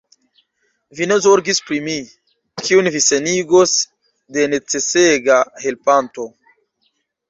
Vi ne zorgis pri mi, kiun vi senigos de necesega helpanto!